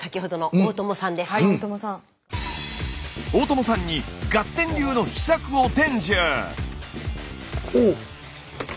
大友さんにガッテン流の秘策を伝授！